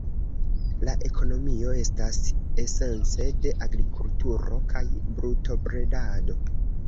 La ekonomio estas esence de agrikulturo kaj brutobredado.